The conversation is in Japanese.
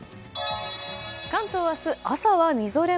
関東は明日、朝はみぞれも。